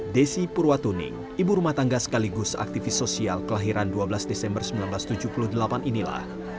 desi purwatuning ibu rumah tangga sekaligus aktivis sosial kelahiran dua belas desember seribu sembilan ratus tujuh puluh delapan inilah